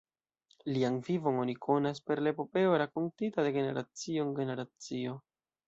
Lian vivon oni konas per la epopeo rakontita de generacio en generacio.